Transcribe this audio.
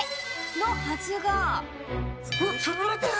のはずが。